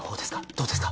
どうですか？